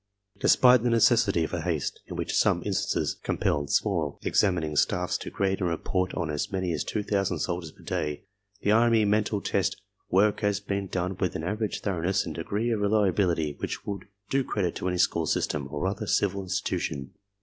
Despite the necessity for haste which in some instances com pelled small examining staffs to grade and report on as many as two thousand soldiers per day, the army mental test work has been done with an average thoroughness and degree of re liability which would do credit to any school system or otheri civil institution.